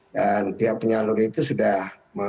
dan pihak penyalur itu sudah